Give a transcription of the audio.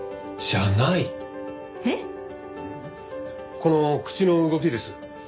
この口の動きです。